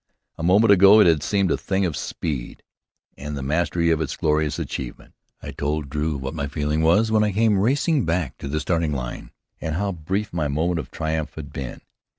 A moment ago it had seemed a thing of speed, and the mastery of it a glorious achievement. I told Drew what my feeling was as I came racing back to the starting point, and how brief my moment of triumph had been.